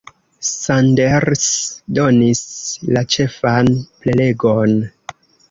Sanders donis la ĉefan prelegon.